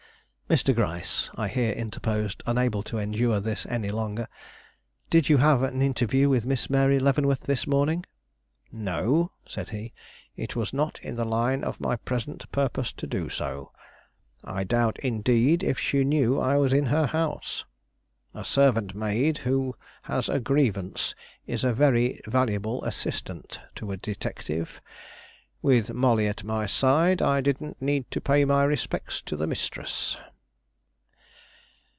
"Mr. Gryce," I here interposed, unable to endure this any longer; "did you have an interview with Miss Mary Leavenworth this morning?" "No," said he; "it was not in the line of my present purpose to do so. I doubt, indeed, if she knew I was in her house. A servant maid who has a grievance is a very valuable assistant to a detective. With Molly at my side, I didn't need to pay my respects to the mistress."